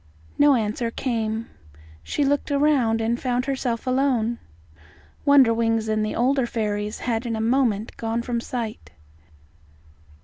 No answer came. She looked around, and found herself alone. Wonderwings and the older fairies had in a moment gone from sight.